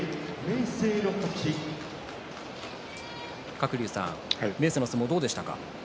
鶴竜さん明生の相撲どうでしたか。